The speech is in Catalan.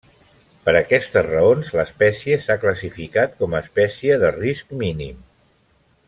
Per aquestes raons, l'espècie s'ha classificat com a espècie de risc mínim.